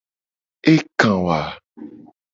Eka wo a?